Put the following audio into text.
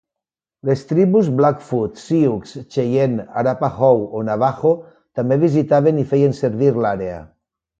Les tribus Blackfoot, Sioux, Cheyenne, Arapaho o Navaho també visitaven i feien servir l'àrea.